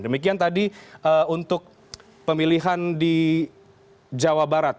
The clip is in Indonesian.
demikian tadi untuk pemilihan di jawa barat